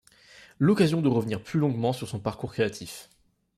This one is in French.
L'occasion de revenir plus longuement sur son parcours créatif.